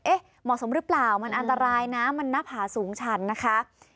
เหมาะสมหรือเปล่ามันอันตรายนะมันหน้าผาสูงชันนะคะ